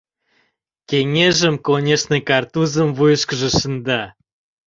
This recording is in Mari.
Кеҥежым, конешне, картузым вуйышкыжо шында.